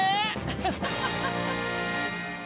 ハハハハハ！